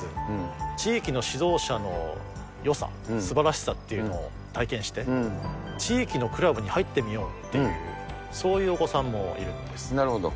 地域の指導者のよさ、すばらしさっていうのを体験して、地域のクラブに入ってみようっていう、そういうお子さんもいるんなるほど。